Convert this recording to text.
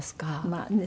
まあね